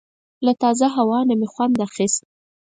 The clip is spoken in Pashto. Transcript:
له تازه هوا نه مې خوند اخیست.